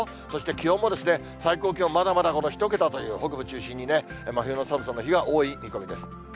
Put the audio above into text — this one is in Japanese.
そして気温も、最高気温、まだまだ１桁という、北部中心にね、真冬の寒さの日が多い見込みです。